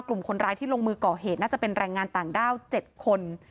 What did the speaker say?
กลุ่มคนร้ายที่ลงมือก่อเหตุน่าจะเป็นแรงงานต่างด้าว๗คน